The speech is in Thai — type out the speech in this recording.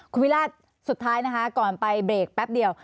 คุณวิราชสุดท้ายนะคะก่อนไปเบรกแป๊บเดียว